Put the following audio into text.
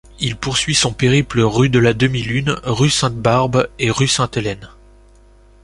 Il poursuit son périple rue de la Demi-Lune, rue Sainte-Barbe et rue Sainte-Hélène.